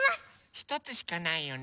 ひとつしかないよね。